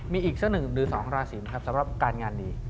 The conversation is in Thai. มีอีกสักหนึ่งหรือ๒ราศีนะครับสำหรับการงานดี